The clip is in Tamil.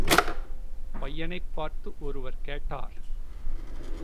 பையனைப் பார்த்து ஒருவர் கேட்டார்!